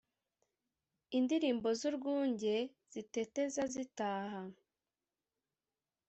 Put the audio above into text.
Indilimbo z’urwunge, Ziteteza zitaha,